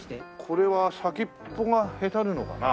これは先っぽがへたるのかな？